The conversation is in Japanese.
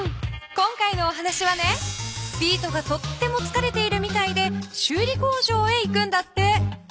今回のお話はねピートがとってもつかれているみたいでしゅうり工場へ行くんだって。